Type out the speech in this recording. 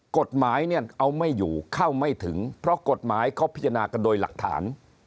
กฎหมายเนี่ยเอาไม่อยู่เข้าไม่ถึงเพราะกฎหมายเขาพิจารณากันโดยหลักฐาน